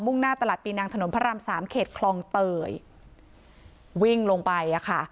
่งหน้าตลาดปีนางถนนพระรามสามเขตคลองเตยวิ่งลงไปอ่ะค่ะ